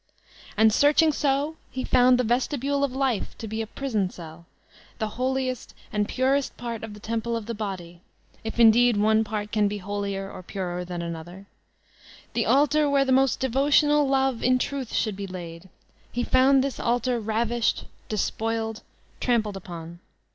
And searching so he found the vestibule of life to be a prison cell ; the holiest and purest part of the temple of the body, if indeed one part can be holier or purer than another, the altar where the most devotional love in truth should be laid, he found this ahar ravished, despoiled, trampled upon.